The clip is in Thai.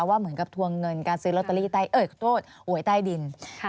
ว่าเหมือนกับทวงเงินการซื้อลอตเตอรี่ใต้ดิน